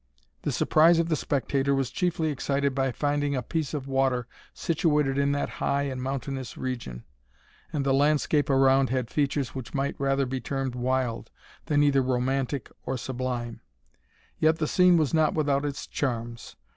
The surprise of the spectator was chiefly excited by finding a piece of water situated in that high and mountainous region, and the landscape around had features which might rather be termed wild, than either romantic or sublime; yet the scene was not without its charms.